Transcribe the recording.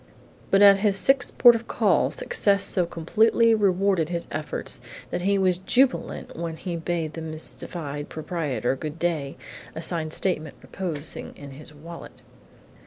But at his sixth port of call success so completely rewarded his efforts that he was jubilant when he bade the mystified proprietor good day, a signed statement reposing in his wallet.